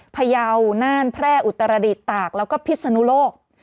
พยาวน่านแพร่อุตรดิษฐตากแล้วก็พิศนุโลก